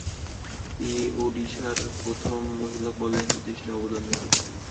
তিনি ওডিশার প্রথম মহিলা কলেজ প্রতিষ্ঠায় অবদান রেখেছেন।